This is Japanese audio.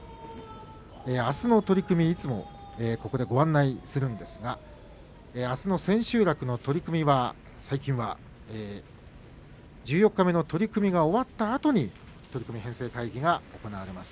あすの取組をいつもはここでご案内するんですが千秋楽の取組は最近は十四日目の取組が終わったあとに取組編成会議が開かれます